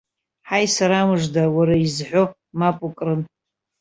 Ҳаи, сара мыжда, уара изҳәо, мап укрын.